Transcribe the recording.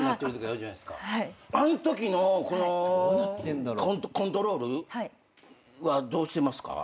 あんときのこのコントロールはどうしてますか？